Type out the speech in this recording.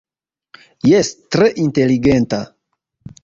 Jes, tre inteligenta!